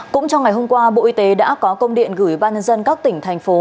cũng trong ngày hôm qua bộ y tế đã có công điện gửi ban nhân dân các tỉnh thành phố